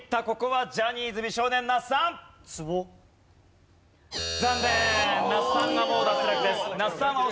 ここはジャニーズ美少年那須さん。